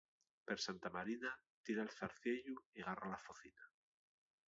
Per Santa Marina, tira'l zarciellu y garra la focina.